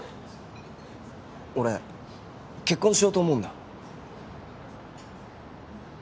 俺結婚しようと思うんだ。